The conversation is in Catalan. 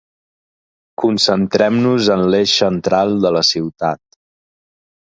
Concentrem-nos en l'eix central de la ciutat.